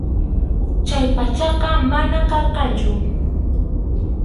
Chay pachaqa manam karqanchu.